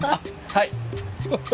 はい。